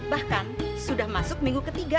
bahkan sudah masuk minggu ketiga